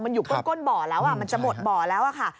มันอยู่ก้นบ่อแล้วมันจะหมดบ่อแล้วค่ะ